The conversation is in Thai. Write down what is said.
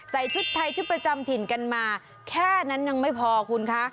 ชุดไทยชุดประจำถิ่นกันมาแค่นั้นยังไม่พอคุณคะ